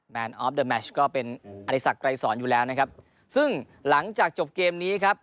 ออฟเดอร์แมชก็เป็นอริสักไกรสอนอยู่แล้วนะครับซึ่งหลังจากจบเกมนี้ครับ